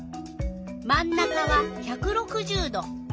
真ん中は１６０℃。